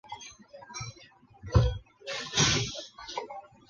冲绳县是唯一没有河川被指定为一级水系的都道府县。